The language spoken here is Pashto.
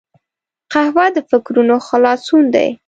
قهوه د فکرونو خلاصون دی